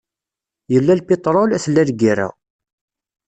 Yella lpiṭrul, tella lgirra.